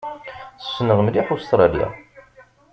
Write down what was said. Ssneɣ mliḥ Ustṛalya.